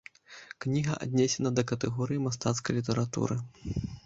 Кніга аднесена да катэгорыі мастацкай літаратуры.